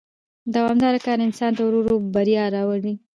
دوامدار کار انسان ته ورو ورو بریا راوړي